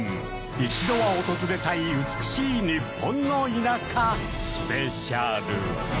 一度は訪れたい美しい日本の田舎スペシャル。